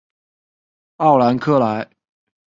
奥兰克莱。